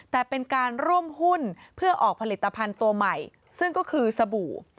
แต่เป็นการร่วมหุ้นเพื่อออกผลิตภัณฑ์ตัวใหม่ซึ่งก็คือสบู่